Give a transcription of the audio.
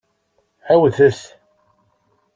Ɛiwdet!